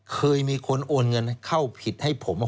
เคยมีคนโอนเงินเข้าผิดให้ผม๖๐๐๐๐๐บาท